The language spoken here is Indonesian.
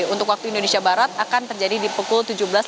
untuk waktu indonesia barat akan terjadi di pukul tujuh belas tiga puluh